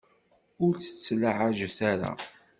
Ur tt-ttlaɛajet ara.